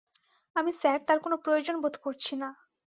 আমি স্যার তার কোনো প্রয়োজন বোধ করছি না।